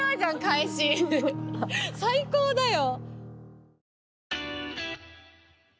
最高だよ。